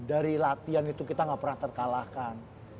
dan dari latihan itu kita gak pernah terkalahkan